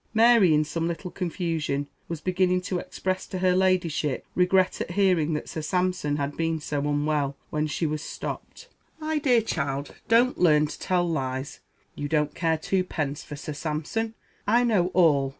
Mary, in some little confusion, was beginning to express to her Ladyship regret at hearing that Sir Sampson had been so unwell, when she was stopped. "My dear child, don't learn to tell lies. You don't care two pence for Sir Sampson. I know all.